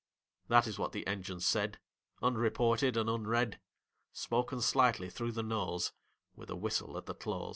That is what the Engines said, Unreported and unread; Spoken slightly through the nose, With a whistle at the close.